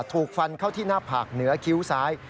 ถูกฟันเข้าที่หน้าผากเหนือคิ้วซ้าย